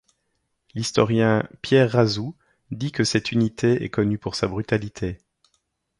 L'historien Pierre Razoux dit que cette unité est connue pour sa brutalité.